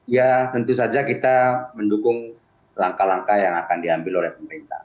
ya tentu saja kita mendukung langkah langkah yang akan diambil oleh pemerintah